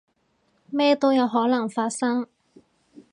咩都有可能發生